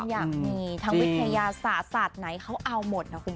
ทางวิทยาศาสตร์ไหนเขาเอาหมดนะคุณผู้ชม